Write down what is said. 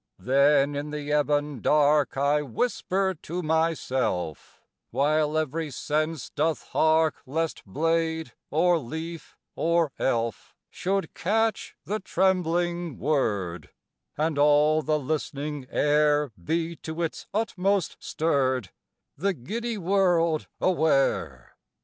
Then in the ebon dark I whisper to myself, While every sense doth hark Lest blade, or leaf, or elf, Should catch the trembling word, And all the listening air Be to its utmost stirred, The giddy world aware!